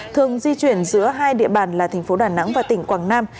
thường di chuyển giữa hai địa bàn là tp đà nẵng và tỉnh quảng nam